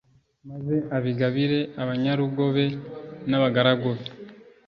maze abigabire abanyarugo be n'abagaragu be